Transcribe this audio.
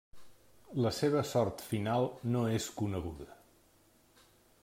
La seva sort final no és coneguda.